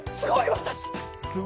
私！